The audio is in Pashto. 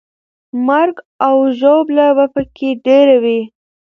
مرګ او ژوبله به پکې ډېره وي.